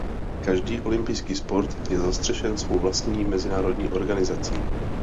Každý olympijský sport je zastřešen svou vlastní mezinárodní organizací.